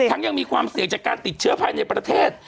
ยังมีความเสี่ยงจากการติดเชื้อภายในประเทศ